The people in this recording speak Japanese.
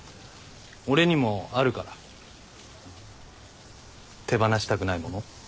俺にもあるから手放したくないもの。